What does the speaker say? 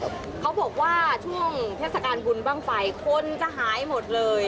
เขาบอกว่าช่วงเทศกาลบุญบ้างไฟคนจะหายหมดเลย